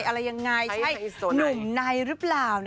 อะไรยังไงใช่หนุ่มในหรือเปล่า